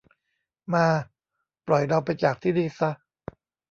มา ปล่อยเราไปจากที่นี่ซะ